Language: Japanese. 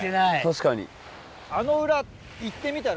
確かに。